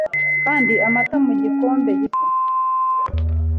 Kandi amata mu gikombe gito